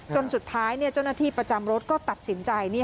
จนสุดท้ายเจ้าหน้าที่ประจำรถก็ตัดสินใจ